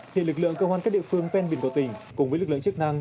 hiện lực lượng cơ quan các địa phương ven biển cầu tỉnh cùng với lực lượng chức năng